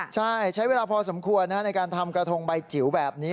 ใช่ใช้เวลาพอสมควรในการทำกระทงใบจิ๋วแบบนี้